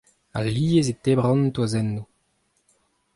alies e tebran toazennoù.